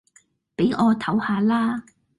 俾我唞吓啦